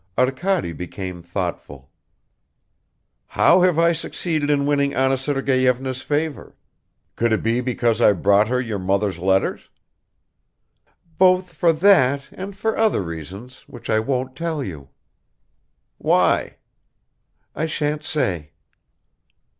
Arkady became thoughtful. "How have I succeeded in winning Anna Sergeyevna's favor? Could it be because I brought her your mother's letters?" "Both for that and for other reasons which I won't tell you." "Why?" "I shan't say."